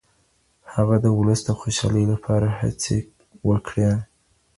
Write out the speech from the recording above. هغه د ولس د خوشحالۍ لپاره هڅې وکړې.